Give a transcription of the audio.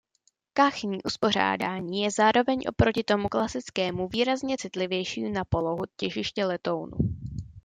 Kachní uspořádání je zároveň oproti tomu klasickému výrazně citlivější na polohu těžiště letounu.